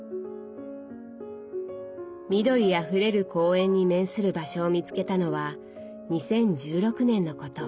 緑あふれる公園に面する場所を見つけたのは２０１６年のこと。